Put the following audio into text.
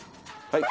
はい！